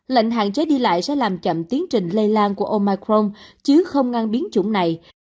lệnh hạn chế đi lại sẽ làm chậm tiến trình lây lan của omicron chứ không ngăn biến chủng này